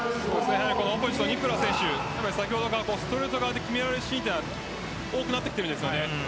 オポジットのニクラ選手先ほどからストレート側で決められるシーンが多くなっているんです。